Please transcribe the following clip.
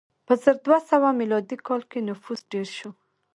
په زر دوه سوه میلادي کال کې نفوس ډېر شو.